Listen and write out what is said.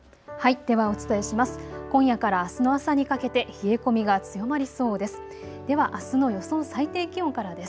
ではお伝えします。